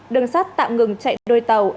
đường sắt tạm ngừng chạy đôi tàu